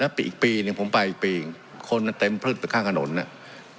แล้วอีกปีหนึ่งผมไปอีกปีคนนั้นเต็มเพิ่มข้างถนนเนี่ย